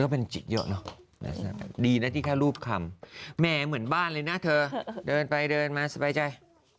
เป็นจิตเยอะเนอะดีนะที่แค่รูปคำแหมเหมือนบ้านเลยนะเธอเดินไปเดินมาสบายใจ